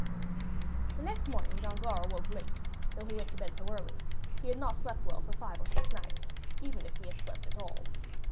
The next morning Danglars awoke late, though he went to bed so early; he had not slept well for five or six nights, even if he had slept at all.